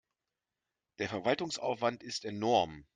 Der Verwaltungsaufwand ist enorm.